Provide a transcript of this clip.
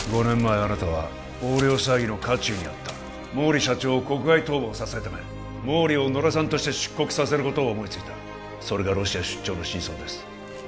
５年前あなたは横領騒ぎの渦中にあった毛利社長を国外逃亡させるため毛利を野田さんとして出国させることを思いついたそれがロシア出張の真相です